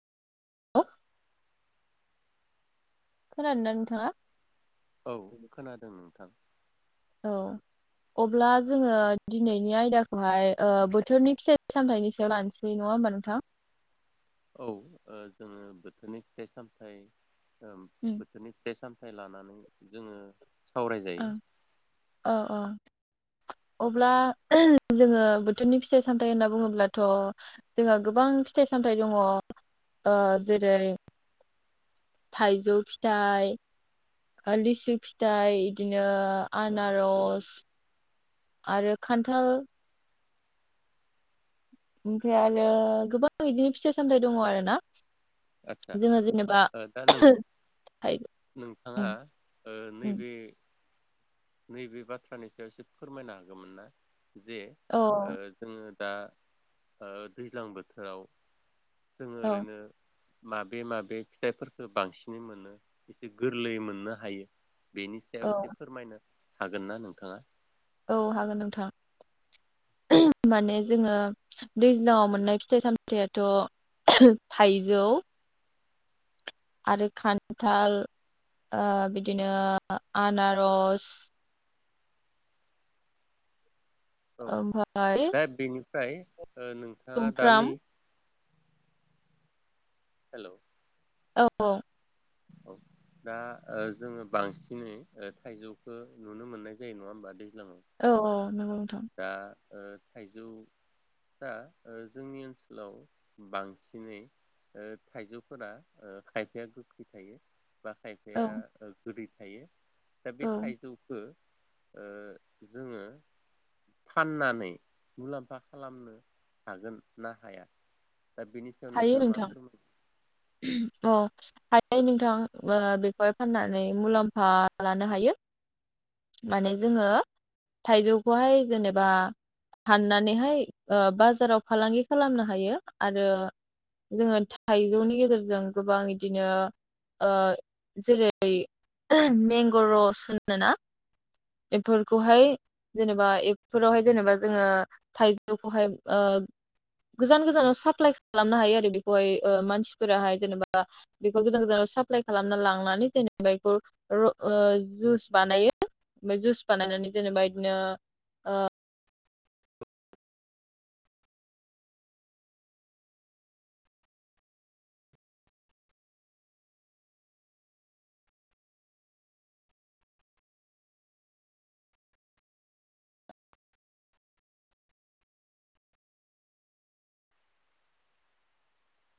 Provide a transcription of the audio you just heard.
खोनादोना नोंथांआ? औ खोनादों नोंथां औ अब्ला जोङो दिनैनि आयदाखौहाय ओ बोथोरनि फिथाइ सामथायाइनि सायाव लानोसै नङा होमबा नोंथां? औ ओ जोङो बोथोरनि फिथाइ सामथाय ओं बोथोरनि फिथाइ सामथ लानानै जोङो सावरायजायो ओं अ अ अब्ला जोङो बोथोरनि फिथाइ सामथायाइ होनना बुङोब्लाथ जोंहा गोबां फिथाइ सामथायाइ दङ ओ जेरै थाइजौ फिथाइ लिसु फिथाइ बिदिनो आनारस आरो खान्थाल ओमफ्राय आरो गोबां बिदिनो फिथाइ सामथायाइ दङ आरो ना आदसा जोङो जेनेबा दा नों थाइ नोंथाङा ओ नैबे नैबे बाथ्रानि सायाव एसे फोरमायनो हागौमोन ना? जे औ ओ जोङो दा ओ दैज्लां बोथोराव जोङो औ ओरैनो माबे माबे फिथाइफोरफोरखो बांसिनै मोनो एसे गोरलैयै मोननो हायो बेनि सायाव औ एसे फोरमायनो हागोन ना नोंथाङा? औ हागोन नोंथां माने जोङो दैज्लाङाव मोननाय फिथाइ सामथायाइथ' थाइजौ आरो खान्थाल ओ बिदिनो आनारस ओमफाय फ्राय नोंथाङा दा नै हेल' औ औ औ दा जोङो बांसिनै थाइजौखौ नुनो मोननाय जायो नङा होमबा दै औ औ नोंगौ नोंथां। ओ थाइजौफ्रा जोंनि ओनसोलाव बांसिनै ओ थाइजौफोरा खायफाया गोखै थायो बा औ खायफाया ओ गोरिब थायो। दा औ बे थाइजौखौ ओ जोङो फाननानै मुलाम्फा खालामनो हागोन ना हाया? दा बेनि सायाव हायो नोंथाङा मा नोंथां फोरमाय अ हायो नोंथां ओ बेखौहाय फाननानै मुलाम्फा लानो हायो। माने जोङो थाइजौखौहाय जेनेबा हाननानैहाय ओ बाजाराव फालांगि खालामनो हायो। आरो जोङो थाइजौनि गेजेरजों गोबां इदिनो ओ जेरै मंग' रस होनोना बेफोरखौहाय जेनेबा बेफोरावहाय जेनेबा जोङो थाइजौखौहाय ओ गोजान गोजानाव साप्लाइ खालामनो हायो आरो बेखौहाय ओ मानसिफोराहाय जेनेबा बेखौ गोजान गोजानाव साप्लााय खालामना लांनानै जेनेबा बेखौ जुइस बानायो ओमफ्राय जुइस बानायनानै जेनेबा बिदिनो ओ